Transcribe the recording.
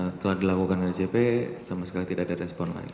setelah dilakukan rcb sama sekali tidak ada respon lagi